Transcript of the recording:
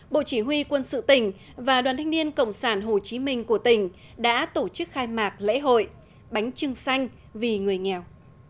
bộ chỉ huy quân sự tỉnh và đoàn thanh niên cộng sản hồ chí minh của tỉnh đã tổ chức khai mạc lễ hội bánh trưng xanh vì người nghèo